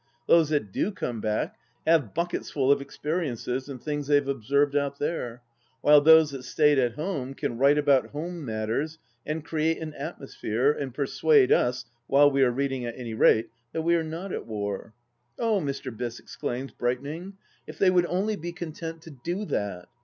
Those that do come back have bucketsful of experiences and things they have observed out there, while those that stayed at home can write about home matters and create an atmosphere, and persuade us, while we are reading at any rate, that we are not at war I " Oh," Mr. Biss exclaims, brightening, " if they would only be content to do that